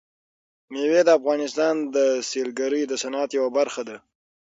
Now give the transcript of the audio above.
مېوې د افغانستان د سیلګرۍ د صنعت یوه برخه ده.